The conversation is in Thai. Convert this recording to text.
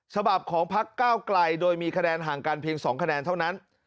ฉบับของพักเก้าไกลโดยมีคะแนนห่างกันเพียง๒คะแนนเท่านั้น